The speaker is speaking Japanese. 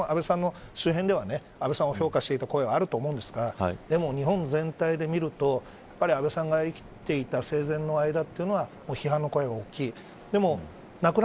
安倍さんの周辺ではもちろん安倍さんを評価している声はあると思いますが日本全体でみると安倍さんが生きていた生前の間というのは批判の声が大きい。